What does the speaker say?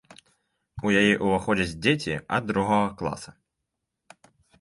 У яе ўваходзяць дзеці ад другога класа.